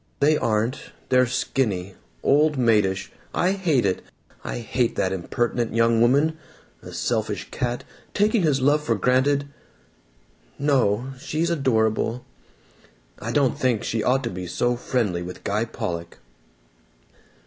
They aren't. They're skinny. Old maidish. I hate it! I hate that impertinent young woman! A selfish cat, taking his love for granted. ... No, she's adorable. ... I don't think she ought to be so friendly with Guy Pollock."